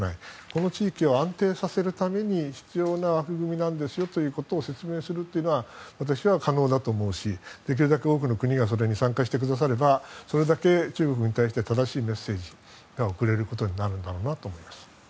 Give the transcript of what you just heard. この地域を安定させるために必要な枠組みなんですよということを説明することは私は可能だと思うし、できるだけ多くの国が参加してくださればそれだけ中国に対して正しいメッセージが送れることになるんだろうなと思います。